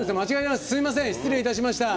すいません、失礼いたしました。